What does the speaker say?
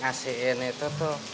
gak sih ini tuh tuh